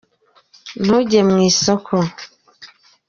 ntuge mu isoko.